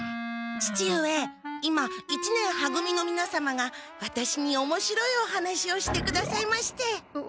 父上今一年は組のみなさまがワタシにおもしろいお話をしてくださいまして。